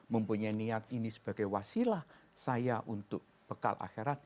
mempunyai niat ini sebagai wasilah saya untuk bekal akhirat